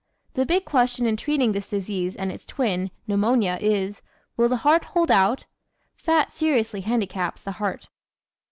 The big question in treating this disease and its twin, Pneumonia, is: will the heart hold out? Fat seriously handicaps the heart.